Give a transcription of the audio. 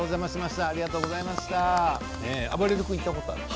あばれる君行ったことあるの？